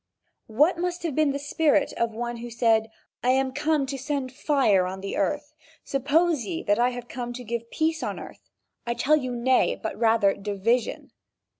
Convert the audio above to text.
What must have been the spirit of one who said: "I am come to send fire on the earth? Suppose ye that I am come to give peace on earth? I tell you, nay, but rather division.